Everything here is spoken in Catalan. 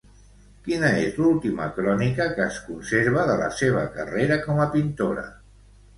Quina és l'última crònica que es conserva de la seva carrera com a pintora?